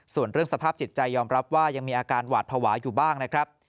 ส่วนเรื่องสภาพจิตใจยอมรับว่ายังมีอาการหวาดภาวะอยู่บ้างนะครับ